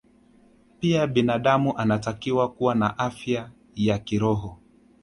Pia binadamu anatakiwa kuwa na afya ya kiroho